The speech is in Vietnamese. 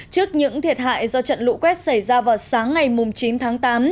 trước những thiệt hại do trận lũ quét xảy ra vào sáng ngày chín tháng tám